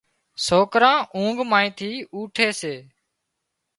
سوڪران اونگھ مانئين ٿي اوٺي سي